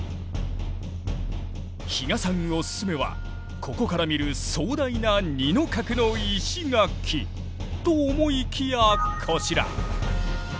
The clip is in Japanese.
比嘉さんオススメはここから見る壮大な二の郭の石垣と思いきやこちら。